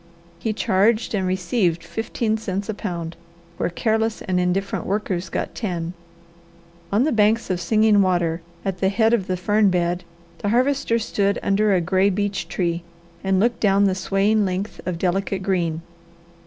He charged and received fifteen cents a pound, where careless and indifferent workers got ten. On the banks of Singing Water, at the head of the fern bed, the Harvester stood under a gray beech tree and looked down the swaying length of delicate green.